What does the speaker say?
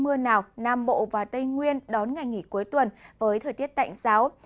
trong ngày mưa nào nam bộ và tây nguyên đón ngày nghỉ cuối tuần với thời tiết tạnh ráo